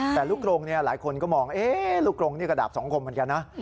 ใช่แต่ลูกกลงเนี่ยหลายคนก็มองเอ๊ลูกกลงเนี่ยกระดาษสองกลมเหมือนกันนะ